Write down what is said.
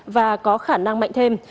và có khả năng mạnh thêm